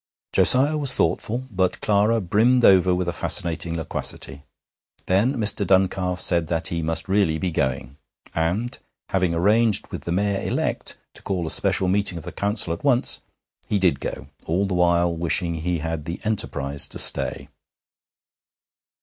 Josiah was thoughtful, but Clara brimmed over with a fascinating loquacity. Then Mr. Duncalf said that he must really be going, and, having arranged with the Mayor elect to call a special meeting of the Council at once, he did go, all the while wishing he had the enterprise to stay.